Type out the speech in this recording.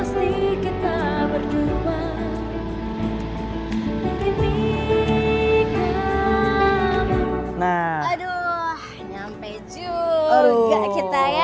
aduh nyampe juga kita ya